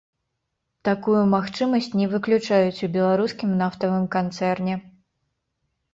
Такую магчымасць не выключаюць у беларускім нафтавым канцэрне.